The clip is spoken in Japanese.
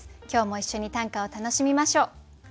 今日も一緒に短歌を楽しみましょう。